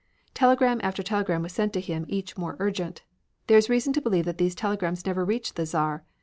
Telegram after telegram was sent him, each more urgent. There is reason to believe that these telegrams never reached the Czar.